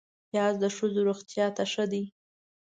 پیاز د ښځو روغتیا ته ښه دی